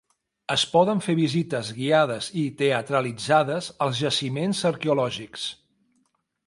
Es poden fer visites guiades i teatralitzades als jaciments arqueològics.